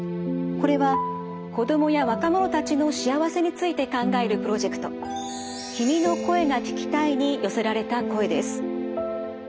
これは子供や若者たちの幸せについて考えるプロジェクト「君の声が聴きたい」に寄せられた声です。